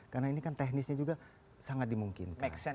karena ini kan teknisnya juga sangat dimungkinkan